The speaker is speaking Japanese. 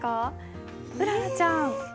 うららちゃん。え。